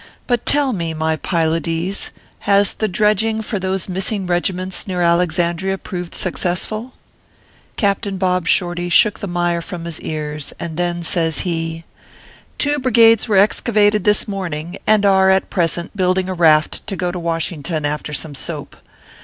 But tell me, my Pylades, has the dredging for those missing regiments near Alexandria proved successful ?" Captain Bob Shorty shook the mire from his ears, and then, says he :" Two brigades were excavated this morning, and are at present building a raft to go down to Wash ington after some soap.